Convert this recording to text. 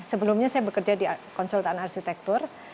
sebelumnya saya bekerja di konsultan arsitektur